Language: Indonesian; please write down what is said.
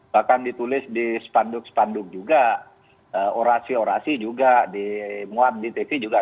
bahkan ditulis di spanduk spanduk juga orasi orasi juga di muat di tv juga